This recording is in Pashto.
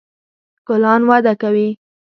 ګلان وده کوي